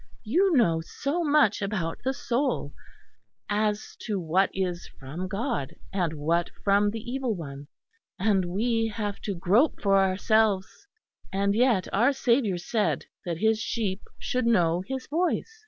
You know so much about the soul, as to what is from God and what from the Evil One; and we have to grope for ourselves. And yet our Saviour said that His sheep should know His voice.